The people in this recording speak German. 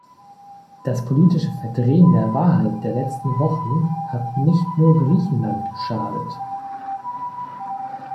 Das politische Verdrehen der Wahrheit der letzten Wochen hat nicht nur Griechenland geschadet.